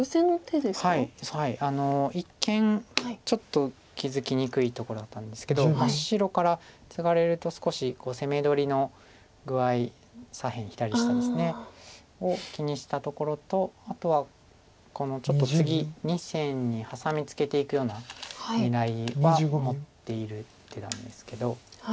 一見ちょっと気付きにくいとこだったんですけど白からツガれると少し攻め取りの具合左辺左下です。を気にしたところとあとはちょっと次２線にハサミツケていくような狙いは持っている手なんですけど。